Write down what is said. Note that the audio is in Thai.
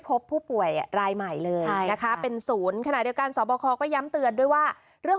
พบผู้ป่วยรายใหม่เลยนะคะเป็นศูนย์ขณะเดียวกันสอบคอก็ย้ำเตือนด้วยว่าเรื่อง